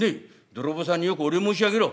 泥棒さんによくお礼申し上げろ」。